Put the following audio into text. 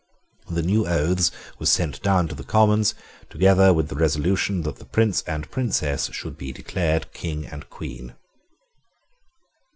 The new oaths were sent down to the Commons, together with the resolution that the Prince and Princess should be declared King and Queen.